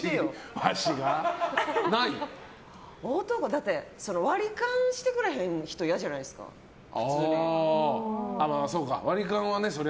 だって、割り勘してくれへん人嫌じゃないですか割り勘はね。